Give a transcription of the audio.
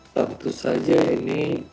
tentu saja ini